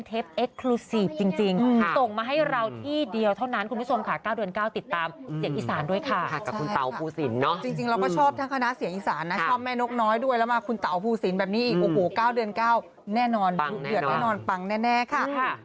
ต้องลองเพลงคู่กันอย่างแน่นอนค่ะ